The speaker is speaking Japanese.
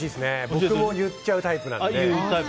僕も言っちゃうタイプなので。